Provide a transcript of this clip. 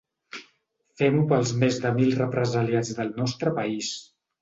Fem-ho pels més de mil represaliats del nostre país.